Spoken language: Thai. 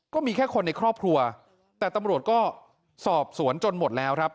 ก็มีแค่คนในครอบครัวแต่ตำรวจก็สอบสวนจนหมดแล้วครับ